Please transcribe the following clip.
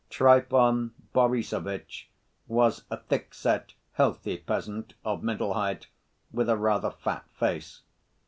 Trifon Borissovitch was a thick‐set, healthy peasant, of middle height, with a rather fat face.